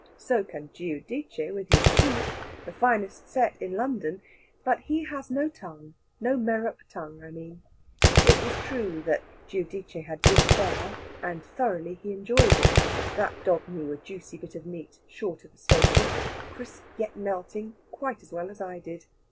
So can Giudice with his teeth the finest set in London but he has no tongue, no merop tongue, I mean. It was true that Giudice had good fare, and thoroughly he enjoyed it. That dog knew a juicy bit of meat, short of staple, crisp, yet melting, quite as well as I did.